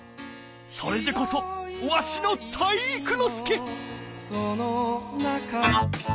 それでこそわしの体育ノ介！